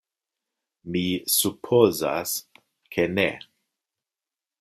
Mi supozas, ke ne.